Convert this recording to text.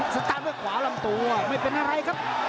สตาร์ทด้วยขวาลำตัวไม่เป็นอะไรครับ